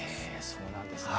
そうなんですね。